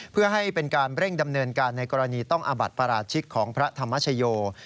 เพื่อให้เป็นการเร่งดำเนินการในกรณีต้องอาบัดประหลาดชิคของพระธรรมชัยโยด้วยครับ